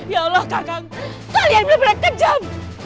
ya allah kakak kalian benar benar kejam